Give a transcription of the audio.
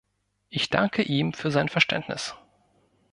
Ich danke ihm für sein Verständnis.